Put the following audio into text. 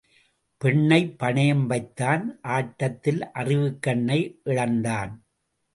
பெண்ணைப் பணயம் வைத்தான் ஆட்டத்தில் அறிவுக்கண்ணை இழந்தான்.